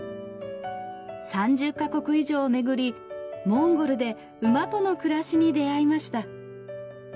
３０カ国以上をめぐりモンゴルで馬との暮らしに出会いました。